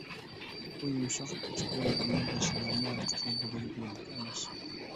بۇ يۇمشاق كۈچ بىلەن ھەممە مەسىلىلەرنى ھەل قىلغىلى بولىدۇ، دېگەنلىك ئەمەس.